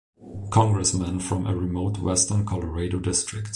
Congressman from a remote Western Colorado district.